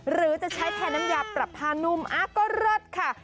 หรือจะใช้แทนน้ำยาปรับผ้านุ่มก็เลิศค่ะ